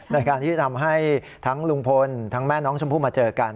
ในการที่จะทำให้ทั้งลุงพลทั้งแม่น้องชมพู่มาเจอกัน